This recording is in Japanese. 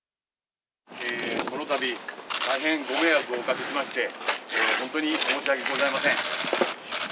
このたび、大変ご迷惑をおかけしまして、本当に申し訳ございません。